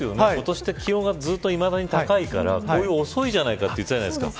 今年は気温がいまだに高いから冬、遅いじゃないかと言ってたじゃないですか。